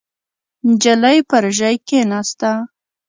نجلۍ پر ژۍ کېناسته.